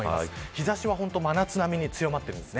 日差しは真夏並みに強まっています。